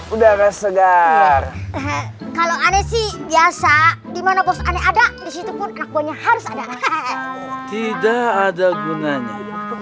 udara segar kalau aneh sih biasa dimana bosan ada disitu pun aku nya harus ada tidak ada gunanya